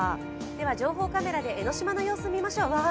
情報カメラで江の島の様子を見ましょう。